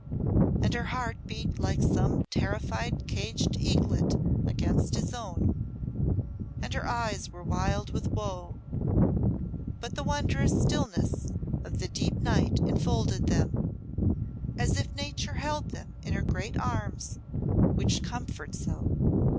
And her heart beat like some terrified caged eaglet against his own, and her eyes were wild with woe. But the wondrous stillness of the deep night enfolded them, as if Nature held them in her great arms which comfort so.